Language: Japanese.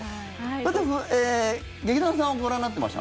さて、劇団さんはご覧になってました？